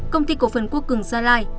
công ty cổ phần quốc cường gia lai